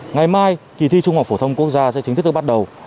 ngày mai kỳ thi trung học phổ thông quốc gia sẽ chính thức được bắt đầu